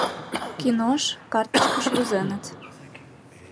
Кинош, картычкыш возеныт.